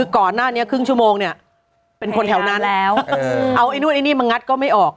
ก่อนหน้านี้ครึ่งชั่วโมงเนี่ยเป็นคนแถวนั้นแล้วเอาไอ้นู่นไอ้นี่มางัดก็ไม่ออก